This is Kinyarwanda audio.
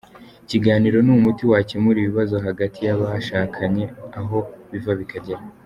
Ikiganiro ni umuti wakemura ibibazo hagati y’abashakanye aho biva bikagera.